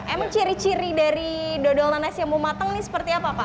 emang ciri ciri dari dodol nanas yang mau matang ini seperti apa pak